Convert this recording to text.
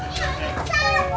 salim ima suha